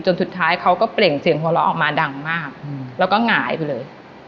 สุดท้ายเขาก็เปล่งเสียงหัวเราะออกมาดังมากแล้วก็หงายไปเลย